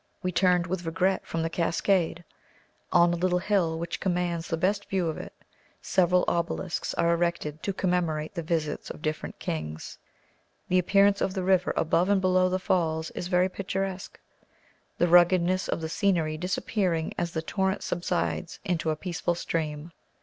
We turned with regret from the cascade. On a little hill, which commands the best view of it, several obelisks are erected to commemorate the visits of different kings. The appearance of the river above and below the falls is very picturesque, the ruggedness of the scenery disappearing as the torrent subsides into a peaceful stream.